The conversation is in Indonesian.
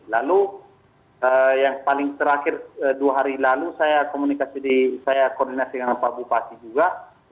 lalu yang paling terakhir dua hari lalu saya koordinasi dengan pak bupati juga